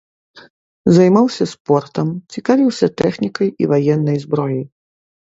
Займаўся спортам, цікавіўся тэхнікай і ваеннай зброяй.